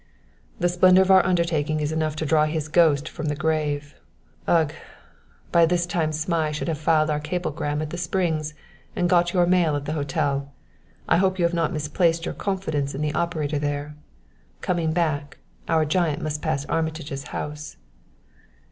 "The splendor of our undertaking is enough to draw his ghost from the grave. Ugh! By this time Zmai should have filed our cablegram at the Springs and got your mail at the hotel. I hope you have not misplaced your confidence in the operator there. Coming back, our giant must pass Armitage's house."